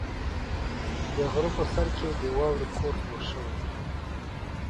د غره په سر کې د واورې کور جوړ شوی و.